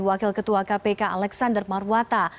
wakil ketua kpk alexander marwata